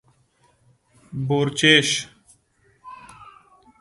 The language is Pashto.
🐊 بورچېش